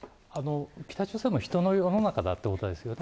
北朝鮮の人の世の中だということですよね。